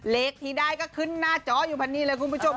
เลขที่ได้ก็ขึ้นหน้าจออยู่พันนี้เลยคุณผู้ชม